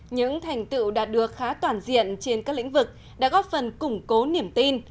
những thành tựu đạt được khá toàn diện trên các lĩnh vực đã góp phần củng cố niềm tin